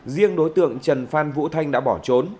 riêng đối tượng trần phan vũ thanh đã bỏ trốn